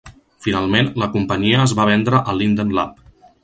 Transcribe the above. Finalment, la companyia es va vendre a Linden Lab.